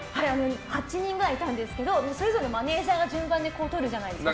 ８人くらいいたんですけどそれぞれのマネジャーさんが順番で撮るじゃないですか。